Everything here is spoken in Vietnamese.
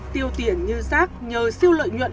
tiêu tiền như giác nhờ siêu lợi nhuận